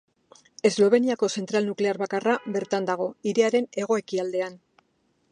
Esloveniako zentral nuklear bakarra bertan dago, hiriaren hego-ekialdean.